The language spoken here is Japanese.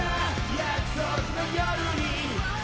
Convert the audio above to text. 「約束の夜に」